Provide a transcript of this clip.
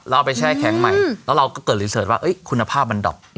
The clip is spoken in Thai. แล้วเอาไปแช่แข็งใหม่แล้วเราก็เกิดว่าเอ้ยคุณภาพมันดอก